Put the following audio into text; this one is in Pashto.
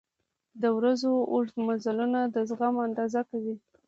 • د ورځې اوږده مزلونه د زغم اندازه کوي.